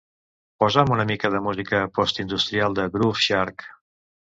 Posa'm una mica de música postindustrial de Groove Shark.